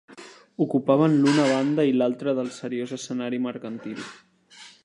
Ocupaven l'una banda i l'altra del seriós escenari mercantil